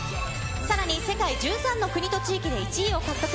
さらに世界１３の国と地域で１位を獲得。